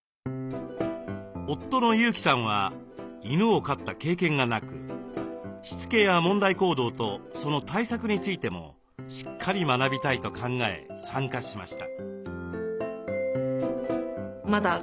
夫の裕己さんは犬を飼った経験がなくしつけや問題行動とその対策についてもしっかり学びたいと考え参加しました。